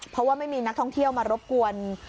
เพราะว่าไม่มีนักท่องเที่ยวมารบกวน